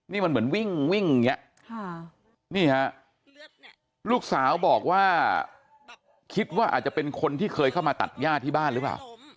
นี่มันเหมือนวิ่งวิ่งอย่างนี้นี่ฮะลูกสาวบอกว่าคิดว่าอาจจะเป็นคนที่เคยเข้ามาตัดย่าที่บ้านหรือเปล่า